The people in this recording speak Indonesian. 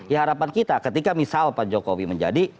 ya harapan kita ketika misal pak jokowi menjadi